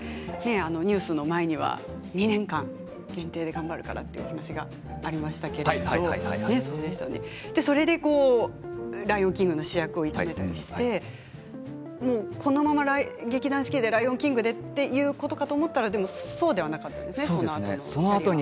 ニュースの前には２年間限定で頑張るからというお話がありましたけどそれで「ライオンキング」の主役を射止めたりしてこのまま劇団四季で「ライオンキング」でということかと思ったらそうではなかったですね、その後。